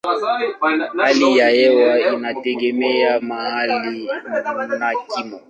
Hali ya hewa inategemea mahali na kimo.